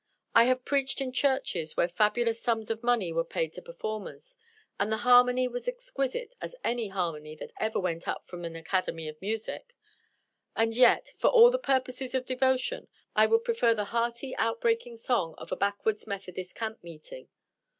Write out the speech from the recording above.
I have preached in churches where fabulous sums of money were paid to performers, and the harmony was exquisite as any harmony that ever went up from an Academy of Music; and yet, for all the purposes of devotion, I would prefer the hearty, out breaking song of a backwoods Methodist camp meeting.